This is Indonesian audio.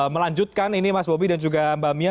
melanjutkan ini mas bobi dan juga mbak mia